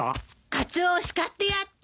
カツオを叱ってやって。